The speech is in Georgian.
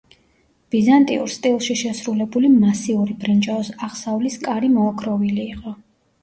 ბიზანტიურ სტილში შესრულებული მასიური ბრინჯაოს აღსავლის კარი მოოქროვილი იყო.